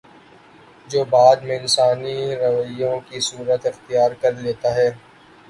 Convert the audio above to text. جو بعد میں انسانی رویوں کی صورت اختیار کر لیتا ہے